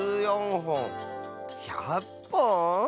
ほん１００ぽん？